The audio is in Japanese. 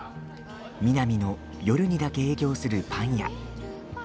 ミナミの夜にだけ営業するパン屋。